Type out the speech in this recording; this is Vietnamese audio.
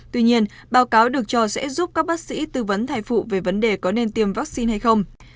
tuy nhiên báo cáo được cho sẽ giúp các bác sĩ tư vấn thai phụ về vấn đề có nên tiêm vaccine hay không